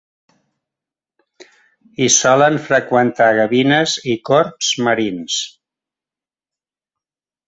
Hi solen freqüentar gavines i corbs marins.